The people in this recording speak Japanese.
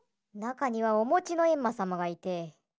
なかにはおもちのえんまさまがいて。